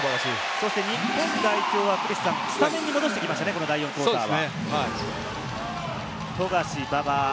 日本代表はスタメンに戻してきましたね、第４クオーターは。